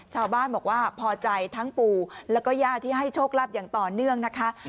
ชาวบ้านบอกว่าพอใจทั้งปู่แล้วก็ย่าที่ให้โชคลาภอย่างต่อเนื่องนะคะ